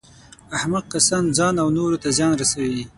احمق کسان ځان او نورو ته زیان رسوي.